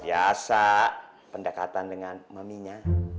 siasa pendekatan dengan maminya